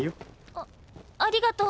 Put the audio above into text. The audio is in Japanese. あありがとう。